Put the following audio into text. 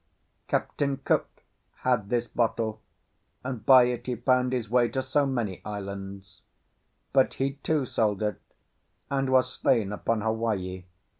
Captain Cook had this bottle, and by it he found his way to so many islands; but he, too, sold it, and was slain upon Hawaii.